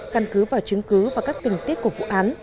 căn cứ vào chứng cứ và các tình tiết của vụ án